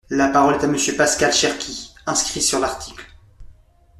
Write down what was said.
La parole est à Monsieur Pascal Cherki, inscrit sur l’article.